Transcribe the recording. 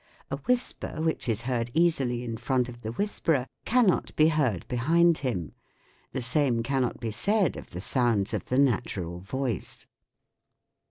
A whisper which is heard easily in front of the whisperer cannot be heard behind him ; the same cannot be said of the sounds of the natural voice.